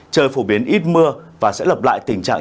trời phổ biến ít mưa và sẽ lập lại tình trạng